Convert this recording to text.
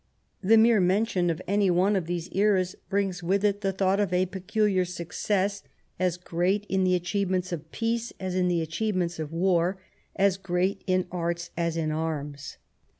The mere mention of any one of these eras brings with it the thought of a peculiar success as great in the achievements of peace as in the achievements of war, as great in arts as in arms.